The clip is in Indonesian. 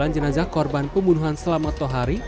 sembilan jenazah korban pembunuhan selamat tohari